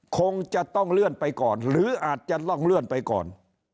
คงจะต้องเลื่อนไปก่อนหรืออาจจะต้องเลื่อนไปก่อน